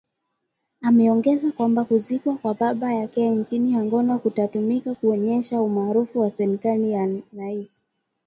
Ameongeza kwamba kuzikwa kwa baba yake nchini Angola kutatumika kuonyesha umaarufu wa serikali ya rais